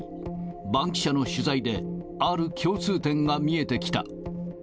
バンキシャの取材で、ある共通点が見えてきた。